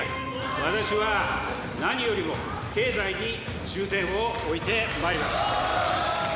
私は何よりも経済に重点を置いて参ります。